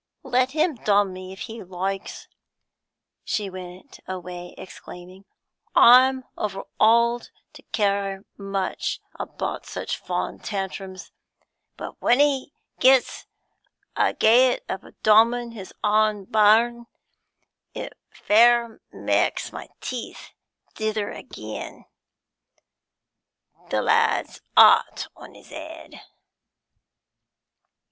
'Let him dom me, if he loikes,' she went away exclaiming; 'ah'm ovver auld to care much abaht such fond tantrums; but when he gets agaate o' dommin his awn barn, it fair maaks my teeth dither ageean. The lad's aht on his 'eead.'